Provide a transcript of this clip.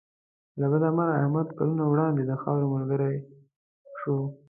له بده مرغه احمد کلونه وړاندې د خاورو ملګری شو.